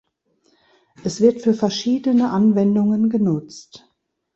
Es wird für verschiedene Anwendungen genutzt.